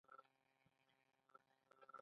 ایا زه باید په فابریکه کې کار وکړم؟